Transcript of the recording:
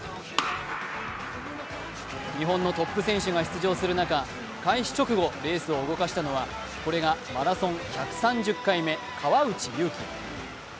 日本のトップ選手が出場する中、開始直後レースを動かしたのはこれがマラソン１３０回目、川内優輝。